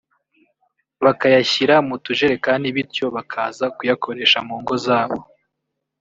bakayashyira mu tujerekani bityo bakaza kuyakoresha mu ngo zabo